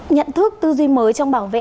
nhận thức tư duy mới trong bảo vệ